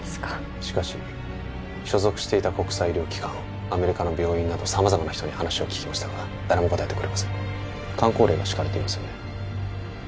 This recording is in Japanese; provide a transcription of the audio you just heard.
しかし所属していた国際医療機関アメリカの病院など様々な人に話を聞きましたが誰も答えてくれませんかん口令が敷かれていますよね？